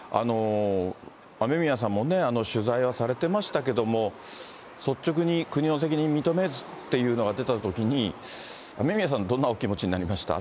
雨宮さんも、取材はされてましたけども、率直に国の責任認めずっていうのが出たときに、雨宮さんはどんなお気持ちになりました？